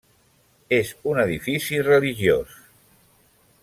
És un edifici religiós.